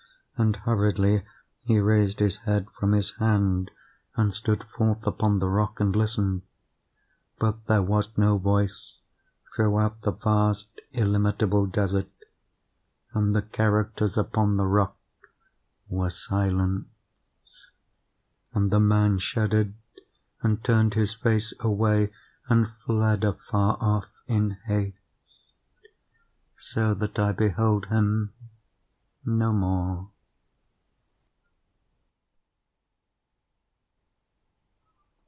And, hurriedly, he raised his head from his hand, and stood forth upon the rock and listened. But there was no voice throughout the vast illimitable desert, and the characters upon the rock were SILENCE. And the man shuddered, and turned his face away, and fled afar off, in haste, so that I beheld him no more."